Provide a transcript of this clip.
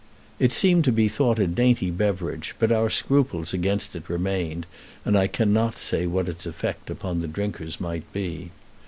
It seemed to be thought a dainty beverage, but our scruples against it remained, and I cannot say what its effect upon the drinkers might be.